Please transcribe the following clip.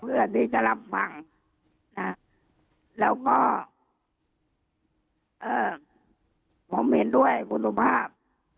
เพื่อที่จะรับฟังแล้วก็ผมเห็นด้วยคุณสุภาพ